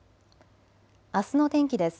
あすの天気です。